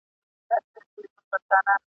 اوبه به را سي پکښي به ځغلي ..